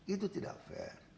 itu tidak fair